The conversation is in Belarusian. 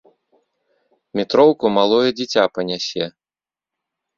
Метроўку малое дзіця панясе!